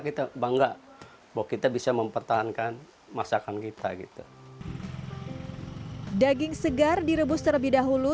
kita bangga bahwa kita bisa mempertahankan masakan kita gitu daging segar direbus terlebih dahulu